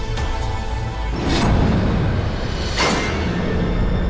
kita santuin yuk